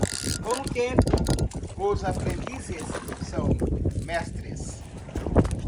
Com o tempo, os aprendizes são mestres.